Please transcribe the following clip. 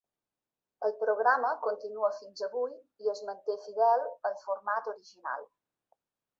El programa continua fins avui i es manté fidel al format original.